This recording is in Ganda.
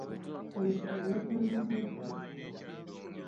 Kano kaama ka muzadde.